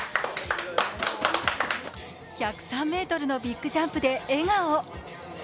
１０３ｍのビッグジャンプで笑顔。